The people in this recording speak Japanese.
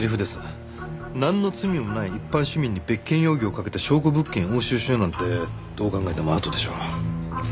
なんの罪もない一般市民に別件容疑をかけて証拠物件を押収しようなんてどう考えてもアウトでしょう。